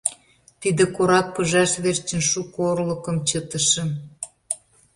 Тиде «корак пыжаш» верчын шуко орлыкым чытышым.